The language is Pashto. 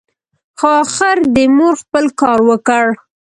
خو اخر دي مور خپل کار وکړ !